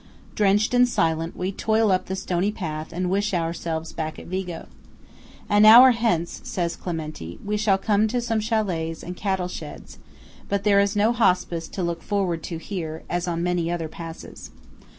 Drenched and silent, we toil up the stony path and wish ourselves back at Vigo. An hour hence, says Clementi, we shall come to some châlets and cattle sheds; but there is no Hospice to look forward to here, as on most other passes.